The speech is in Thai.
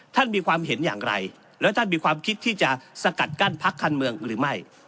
ท่านมีความเห็นอย่างไรแล้วท่านมีความคิดที่จะสกัดกั้นพักการเมืองหรือไม่